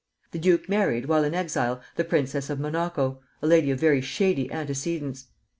The duke married while in exile the princess of Monaco, a lady of very shady antecedents.